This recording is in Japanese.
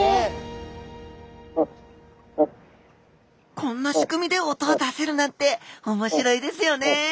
こんな仕組みで音を出せるなんて面白いですよね。